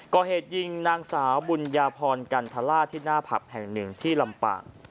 ก่อเหตุยิงนางสาวบุญญาพรกันทลาที่หน้าผับแห่งหนึ่งที่ลำปาง